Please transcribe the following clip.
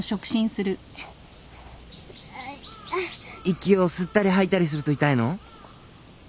息を吸ったり吐いたりすると痛いの？